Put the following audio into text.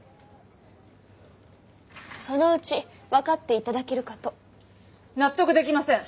そのうち分かって頂けるかと。納得できません。